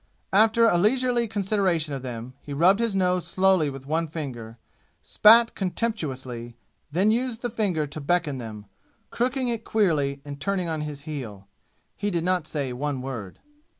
After a leisurely consideration of them he rubbed his nose slowly with one finger, spat contemptuously, and then used the finger to beckon them, crooking it queerly and turning on his heel. He did not say one word.